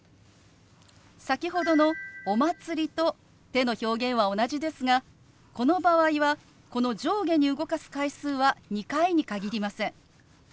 先ほどの「お祭り」と手の表現は同じですがこの場合はこの上下に動かす回数は２回に限りません。